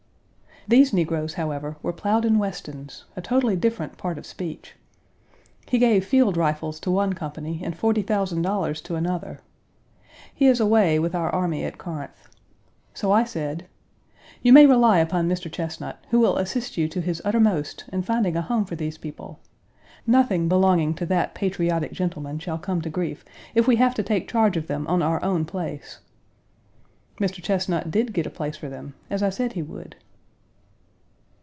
These negroes, however, were Plowden Weston's, a totally different part of speech. He gave field rifles to one company and forty thousand dollars to another. He is away with our army at Corinth. So I said: "You may rely upon Mr. Chesnut, who will assist you to his uttermost in finding a home for these people. Nothing belonging to that patriotic gentleman shall come to grief if we have to take charge of them on our own place." Mr. Chesnut did get a place for them, as I said he would.